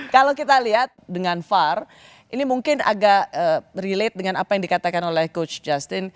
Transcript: kalau kita lihat dengan var ini mungkin agak relate dengan apa yang dikatakan oleh coach justin